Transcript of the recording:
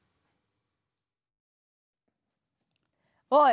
おい！